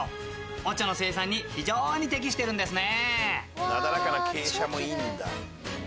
お茶の生産に非常に適してるんですね。